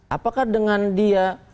apakah dengan dia